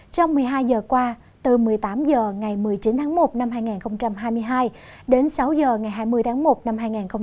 trong một mươi hai giờ qua từ một mươi tám h ngày một mươi chín tháng một năm hai nghìn hai mươi hai đến sáu h ngày hai mươi tháng một năm hai nghìn hai mươi